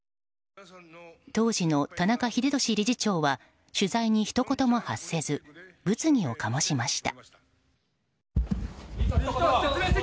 当時の田中英寿理事長は取材にひと言も発せず物議を醸しました。